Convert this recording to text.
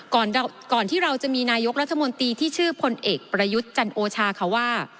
ก่อนที่เราจะมีนายกรัฐมนตรีที่ชื่อพลเอกประยุทธ์จันโอชาค่ะว่า